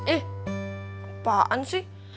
ih apaan sih